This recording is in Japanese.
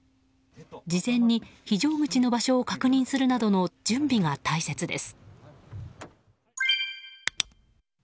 事前に非常口の場所を確認するなどの準備が大切です。